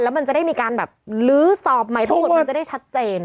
มันจะได้มีการแบบลื้อสอบใหม่ทั้งหมดมันจะได้ชัดเจน